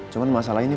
cuman masalah ini